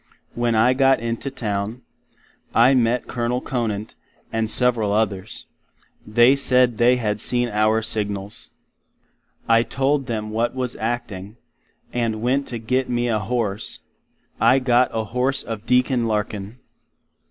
When I got into Town, I met Col. Conant, and several others; they said they had seen our signals. I told them what was Acting, and went to git me a Horse; I got a Horse of Deacon Larkin.